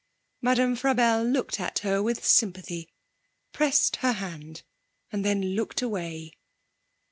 Madame Frabelle looked at her with sympathy, pressed her hand, then looked away.